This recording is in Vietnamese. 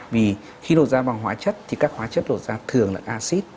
vì khi lột da bằng hóa chất thì các hóa chất lột da thường là acid